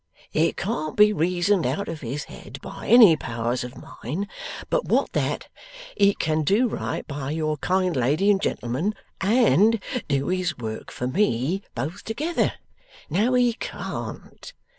It can't be reasoned out of his head by any powers of mine but what that he can do right by your kind lady and gentleman and do his work for me, both together. Now he can't.